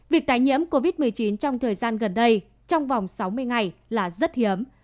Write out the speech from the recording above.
việc tái nhiễm covid một mươi chín trong thời gian gần đây trong vòng sáu mươi ngày là rất hiếm